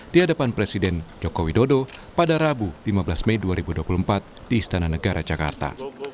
di hadapan presiden joko widodo pada rabu lima belas mei dua ribu dua puluh empat di istana negara jakarta